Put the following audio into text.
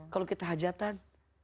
kalau kita hajatan